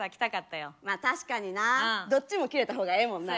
確かになどっちも着れた方がええもんな。